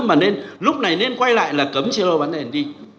mà nên lúc này nên quay lại là cấm chiều lô bán nền đi